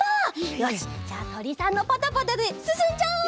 よしじゃあとりさんのパタパタですすんじゃおう！